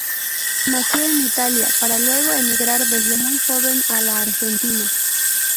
Nació en Italia, para luego emigrar desde muy joven a la Argentina.